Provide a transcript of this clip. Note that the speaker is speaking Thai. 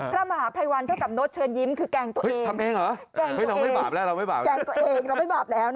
พระมหาพายวัลเข้ากับโน๊ตเชิญยิ้มคือแกล้งตัวเองทำเองเหรอเราไม่บาปแล้ว